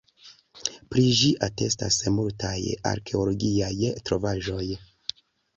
Pri ĝi atestas multaj arkeologiaj trovaĵoj.